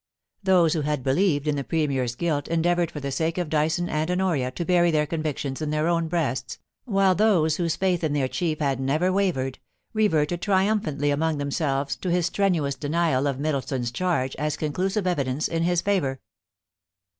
Those who had believed in the Premier's guilt endeavoured for the sake of Dyson and Honoria to bury their convictions in their own breasts, while those whose faith in their chief had never wavered, reverted triumphantly among themselves to his strenuous denial of Middleton's charge as conclusive evidence in his favour.